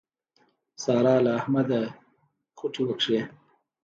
سارا له احمده خوټې وکښې.